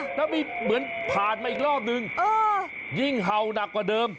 แล้วมีเหมือนผ่านมาอีกรอบนึงยิ่งเห่าหนักกว่าเดิม